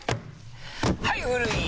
はい古い！